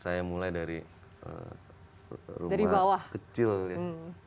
saya mulai dari rumah kecil ya